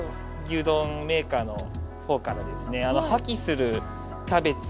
牛丼メーカーの方からですね破棄するキャベツ